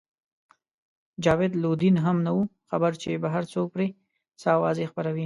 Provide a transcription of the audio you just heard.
جاوید لودین هم نه وو خبر چې بهر څوک پرې څه اوازې خپروي.